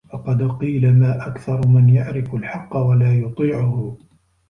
وَقَدْ قِيلَ مَا أَكْثَرُ مَنْ يَعْرِفُ الْحَقَّ وَلَا يُطِيعُهُ